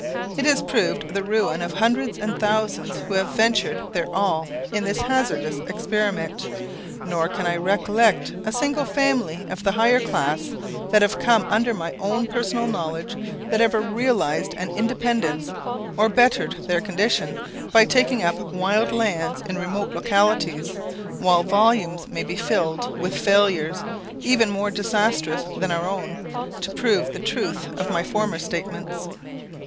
It has proved the ruin of hundreds and thousands who have ventured their all in this hazardous experiment; nor can I recollect a single family of the higher class, that have come under my own personal knowledge, that ever realised an independence, or bettered their condition, by taking up wild lands in remote localities; while volumes might be filled with failures, even more disastrous than our own, to prove the truth of my former statements.